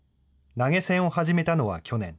投げ銭を始めたのは去年。